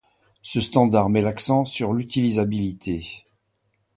Ce standard met l'accent sur l'utilisabilité.